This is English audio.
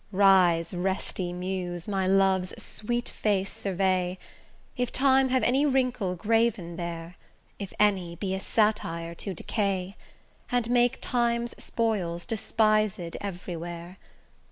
Rise, resty Muse, my love's sweet face survey, If Time have any wrinkle graven there; If any, be a satire to decay, And make time's spoils despised every where.